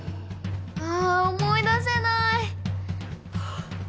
あ思い出せない。